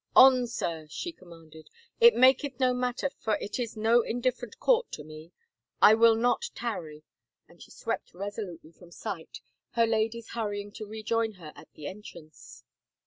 " On, sir," she commanded, " it maketh no matter, for it is no indifferent court to me. ... I will not tarry," and she swept resolutely from sight, her ladies hurrying to rejoin her at the entrance.